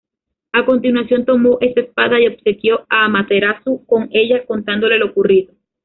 A continuación, tomó esa espada y obsequió a Amaterasu con ella, contándole lo ocurrido.